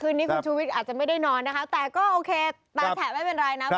คืนนี้คุณชุวิตอาจจะไม่ได้นอนนะครับแต่ก็โอเคตาแฉะไม่เป็นไรนะครับ